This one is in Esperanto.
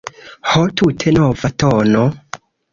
Ho, tute nova tono!